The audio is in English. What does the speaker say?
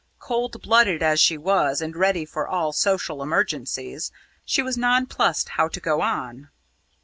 Cold blooded as she was and ready for all social emergencies, she was nonplussed how to go on.